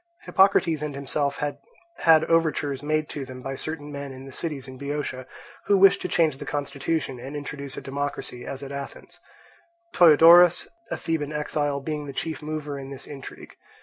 Hippocrates and himself had had overtures made to them by certain men in the cities in Boeotia, who wished to change the constitution and introduce a democracy as at Athens; Ptoeodorus, a Theban exile, being the chief mover in this intrigue.